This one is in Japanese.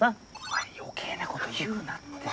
お前余計なこと言うなって。